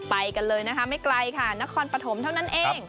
ไปกันเลยนะคะไม่ไกลค่ะนครปฐมเท่านั้นเอง